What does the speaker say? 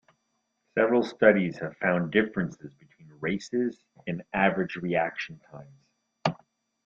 Several studies have found differences between races in average reaction times.